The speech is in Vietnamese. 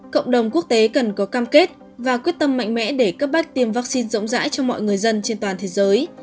cộng đồng quốc tế cần có cam kết và quyết tâm mạnh mẽ để cấp bách tiêm vaccine rộng rãi cho mọi người dân trên toàn thế giới